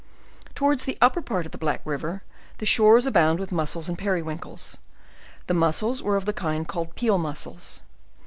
To wards the upper part of the Black river, the shores abound ed with muscles and perriwinkles. The muscles were of the kind called peal muscles.